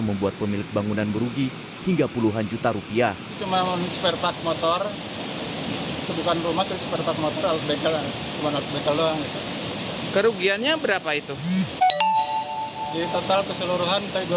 membuat pemilik bangunan merugi hingga puluhan juta rupiah